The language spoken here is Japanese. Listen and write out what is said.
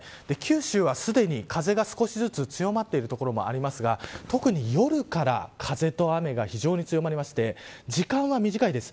九州はすでに風が少しずつ強まっている所もありますが特に夜から風と雨が非常に強まりまして時間は短いです。